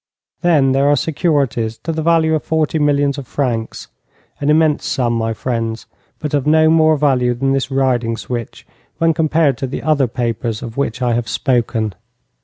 Then there are securities to the value of forty millions of francs an immense sum, my friends, but of no more value than this riding switch when compared to the other papers of which I have spoken.